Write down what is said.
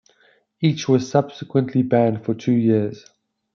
Each was subsequently banned for two years.